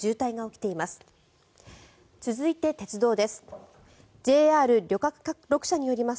続いて、鉄道です。